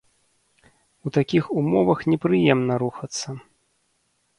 У такіх умовах непрыемна рухацца.